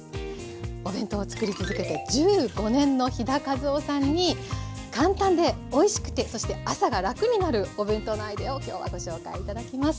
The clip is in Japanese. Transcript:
お弁当をつくり続けて１５年の飛田和緒さんに簡単でおいしくてそして朝が楽になるお弁当のアイデアを今日はご紹介頂きます。